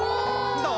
どう？